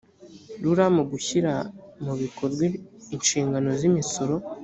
rura mu gushyira mu bikorwa inshingano zimisoro